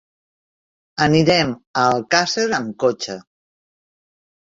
Anirem a Alcàsser amb cotxe.